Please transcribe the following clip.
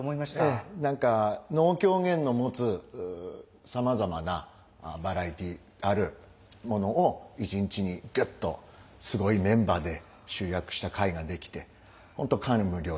ええ何か能狂言の持つさまざまなバラエティーあるものを一日にギュッとすごいメンバーで集約した会ができて本当感無量で。